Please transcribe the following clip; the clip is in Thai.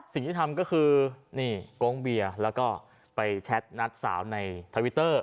สิ่งที่ทำก็คือนี่โก๊งเบียร์แล้วก็ไปแชทนัดสาวในทวิตเตอร์